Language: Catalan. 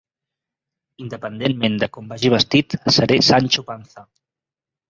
Independentment de com vagi vestit, seré Sancho Panza.